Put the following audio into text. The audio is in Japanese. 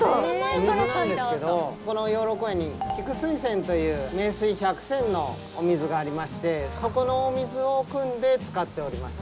お水なんですけど、この養老公園に菊水泉という、名水百選のお水がありまして、そこのお水をくんで使っております。